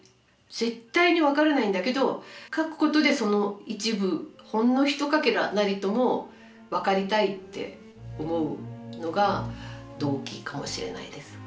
絶対に分からないんだけど書くことでその一部ほんのひとかけらなりとも分かりたいって思うのが動機かもしれないです。